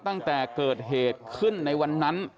ตั้งแต่เกิดเหตุขึ้นในวันนั้น